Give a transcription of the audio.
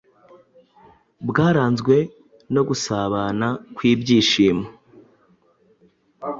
bwaranzwe no gusabana kw’ibyishimo